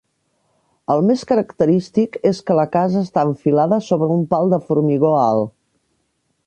El més característic és que la casa està enfilada sobre un pal de formigó alt.